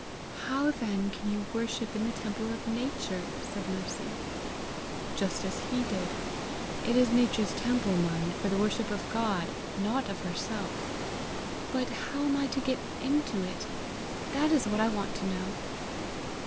"How then can you worship in the temple of Nature?" said Mercy. "Just as he did. It is Nature's temple, mind, for the worship of God, not of herself!" "But how am I to get into it? That is what I want to know."